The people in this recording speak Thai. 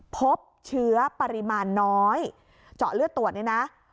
พบเชื้อปริมาณน้อยเจาะเลือดตรวจเนี่ยนะ